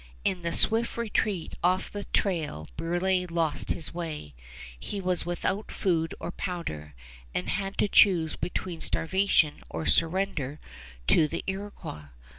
In the swift retreat off the trail Brulé lost his way. He was without food or powder, and had to choose between starvation or surrender to the Iroquois.